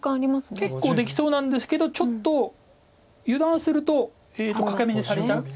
結構できそうなんですけどちょっと油断すると欠け眼にされちゃう。